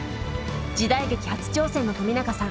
時代劇初挑戦の冨永さん。